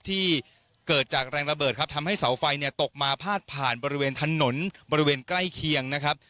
ที่เกิดจากแรงระเบิดครับทำให้เสาไฟเนี่ยตกมาพาดผ่านบริเวณถนนบริเวณใกล้เคียงนะครับ